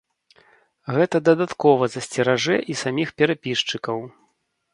Гэта дадаткова засцеражэ і саміх перапісчыкаў.